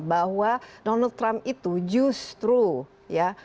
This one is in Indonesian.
bahwa donald trump itu justru ya